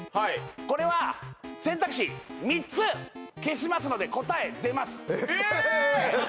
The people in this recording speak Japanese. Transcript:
これは選択肢３つ消しますので答え出ますえーっ！